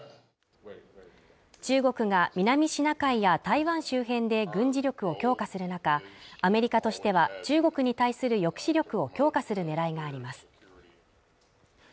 中国が南シナ海や台湾周辺で軍事力を強化する中アメリカとしては中国に対する抑止力を強化する狙いがあります